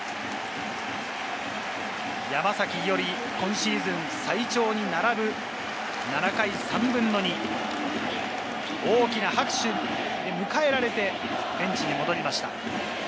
山崎伊織、今シーズン最長に並ぶ７回３分の２、大きな拍手で迎えられて、ベンチに戻りました。